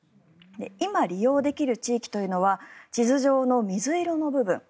今、利用できる地域というのは地図上の水色の部分。